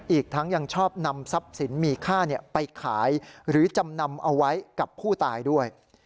อีกทั้งยังชอบนำทรัพย์สินมีค่าไปขายหรือจำนำเอาไว้กับผู้ตายด้วย